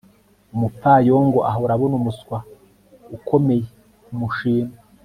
Umupfayongo ahora abona umuswa ukomeye kumushima